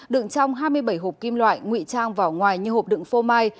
đựng trong hai mươi bảy hộp kim loại nguy trang vào ngoài như hộp đựng phô mai